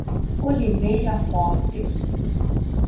Oliveira Fortes